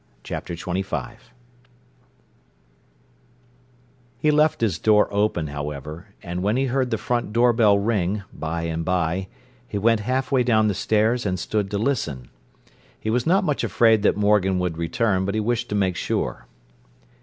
Chapter XXV He left his door open, however, and when he heard the front door bell ring, by and by, he went half way down the stairs and stood to listen. He was not much afraid that Morgan would return, but he wished to make sure.